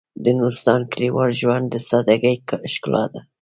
د نورستان کلیوال ژوند د سادهګۍ ښکلا ده.